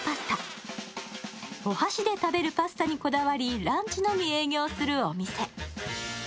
お箸で食べるパスタにこだわりランチのみ営業するお店。